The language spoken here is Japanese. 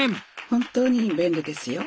本当に便利ですよ。